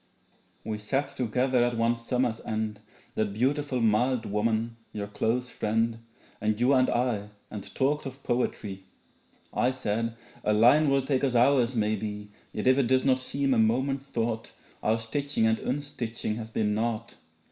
We sat together at one summer's end That beautiful mild woman your close friend And you and I, and talked of poetry. I said 'a line will take us hours maybe, Yet if it does not seem a moment's thought Our stitching and unstitching has been naught.